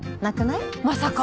まさか？